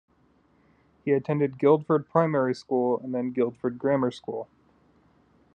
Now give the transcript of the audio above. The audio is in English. He attended Guildford Primary School and then Guildford Grammar School.